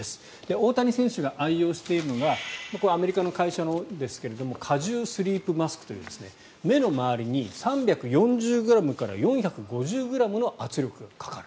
大谷選手が愛用しているのがこれはアメリカの会社のですが加重スリープマスクという目の周りに３４０ｇから４５０ｇの圧力がかかる。